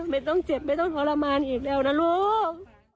ไม่ต้องเจ็บไม่ต้องทรมานอีกแล้วนะลูก